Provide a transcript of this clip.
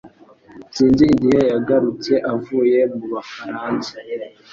Sinzi igihe yagarutse avuye mu Bufaransa